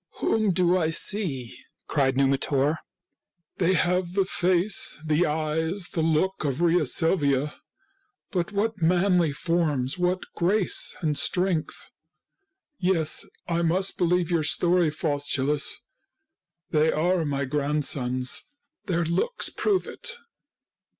" Whom do I see ?" cried Numitor. " They have the face, the eyes, the look of Rhea Silvia; but what manly forms, what grace and strength ! Yes, I must believe your story, Faustulus. They are my grandsons — their looks prove it."